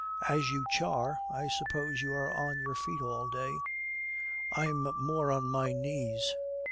'As you char, I suppose you are on your feet all day.' 'I'm more on my knees.'